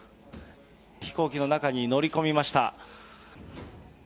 飛行機の中に乗り込みました。